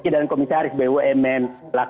dan komisaris bumn